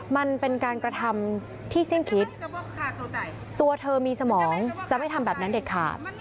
มันเป็นการกระทำที่สิ้นคิดตัวเธอมีสมองจะไม่ทำแบบนั้นเด็ดขาด